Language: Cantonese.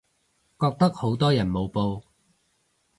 覺得好多人冇報